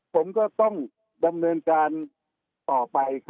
ผมก็ต้องดำเนินการต่อไป